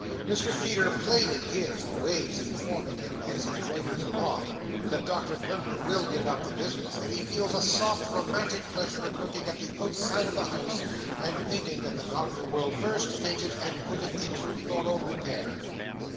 Mr Feeder plainly hears the waves informing him, as he loiters along, that Doctor Blimber will give up the business; and he feels a soft romantic pleasure in looking at the outside of the house, and thinking that the Doctor will first paint it, and put it into thorough repair.